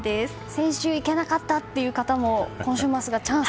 先週行けなかったという方も今週末がチャンス。